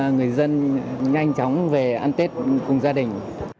người dân nhanh chóng về ăn tết cùng gia đình